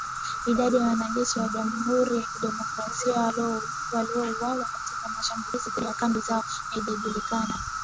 Idadi ya wanajeshi wa Jamhuri ya Kidemokrasia waliouawa katika shambulizi dhidi ya kambi zao haijajulikana